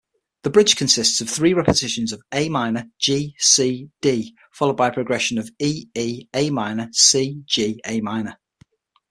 The bridge consists of three repetitions of Am-G-C-D followed by a progression of E-E-Am-C-G-Am.